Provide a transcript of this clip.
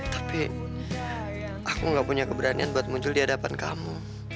tapi aku gak punya keberanian buat muncul di hadapan kamu